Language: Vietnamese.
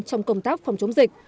trong công tác phòng chống dịch